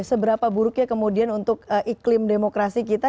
seberapa buruknya kemudian untuk iklim demokrasi kita